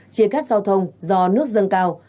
chia cắt giao thông do nước dâng cao